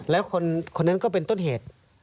แล้วคนนั้นก็เป็นต้นเหตุ